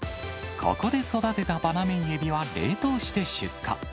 ここで育てたバナメイエビは冷凍して出荷。